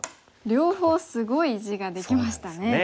両方すごい地ができましたね。